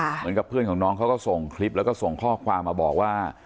เหมือนกับเพื่อนของน้องเขาก็ส่งคลิปแล้วก็ส่งข้อความมาบอกว่า